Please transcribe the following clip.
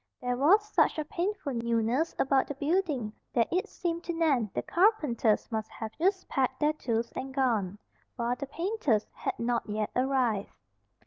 There was such a painful newness about the building that it seemed to Nan the carpenters must have just packed their tools and gone, while the painters had not yet arrived.